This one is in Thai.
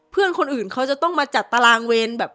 เพื่อนคนอื่นเขาจะต้องมาจัดตารางเวรแบบ